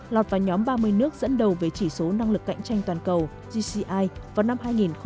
lọt vào nhóm ba mươi nước dẫn đầu về chỉ số năng lực cạnh tranh toàn cầu gci vào năm hai nghìn hai mươi